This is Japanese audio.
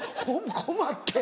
困って。